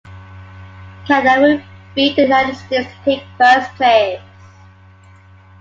Canada would beat the United States to take first place.